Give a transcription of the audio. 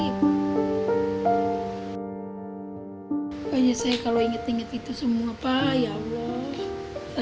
pokoknya saya kalau inget inget itu semua pak ya allah